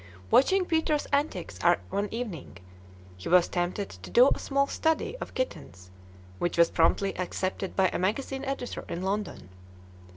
Watching Peter's antics one evening, he was tempted to do a small study of kittens, which was promptly accepted by a magazine editor in London.